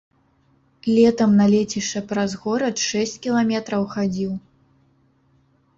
Летам на лецішча праз горад шэсць кіламетраў хадзіў.